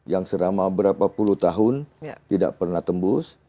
yang selama berapa puluh tahun tidak pernah tembus